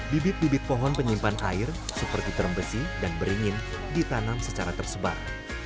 bibit bibit pohon penyimpan air seperti terem besi dan beringin ditanam secara tersebar